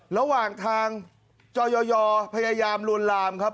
ระหว่างทางจอยพยายามลวนลามครับ